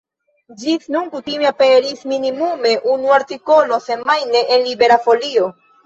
Ĝis nun kutime aperis minimume unu artikolo semajne en Libera Folio.